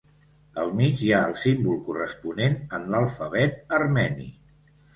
Al mig hi ha el símbol corresponent en l'alfabet armeni.